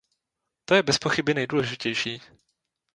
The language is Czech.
To je bezpochyby nejdůležitější.